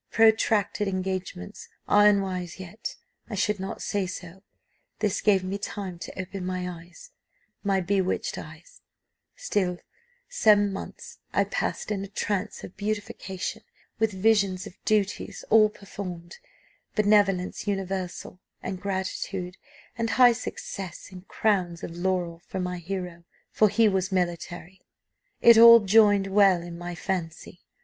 Protracted engagements are unwise, yet I should not say so; this gave me time to open my eyes my bewitched eyes: still, some months I passed in a trance of beatification, with visions of duties all performed benevolence universal, and gratitude, and high success, and crowns of laurel, for my hero, for he was military; it all joined well in my fancy.